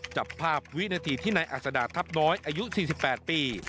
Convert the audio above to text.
จับภาพวินาทีที่นายอัศดาทัพน้อยอายุ๔๘ปี